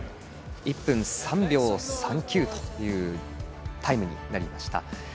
１分３秒３９というタイムになりました。